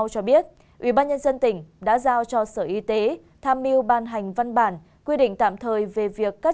cho biết ubnd tỉnh đã giao cho sở y tế tham mưu ban hành văn bản quy định tạm thời về việc các